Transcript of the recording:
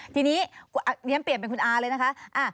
ทีนี้เรียนเปลี่ยนเป็นคุณอาเลยนะคะ